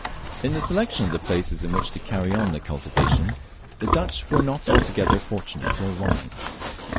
In the selection of the places in which to carry on the cultivation, the Dutch were not altogether fortunate or wise.